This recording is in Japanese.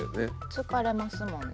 疲れますもんね。